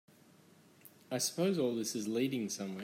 I suppose all this is leading somewhere?